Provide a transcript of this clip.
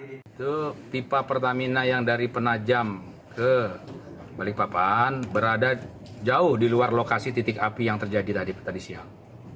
itu pipa pertamina yang dari penajam ke balikpapan berada jauh di luar lokasi titik api yang terjadi tadi siang